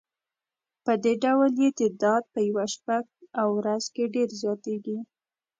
پدې ډول یې تعداد په یوه شپه او ورځ کې ډېر زیاتیږي.